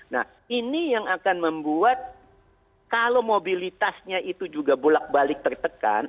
nah ini yang akan membuat kalau mobilitasnya itu juga bolak balik tertekan